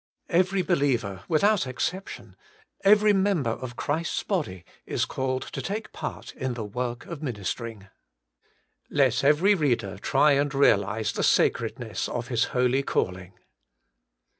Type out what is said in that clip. Every believer without exception, every member of Christ's body, is called to take part in the work of minis termg. Let every reader try and realise the sacredness of his holy calling.